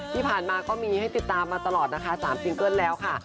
ที่ผ่านมาก็มีให้ติดตามมาตลอดนะคะ๓ซิงเกิ้ลแล้วค่ะ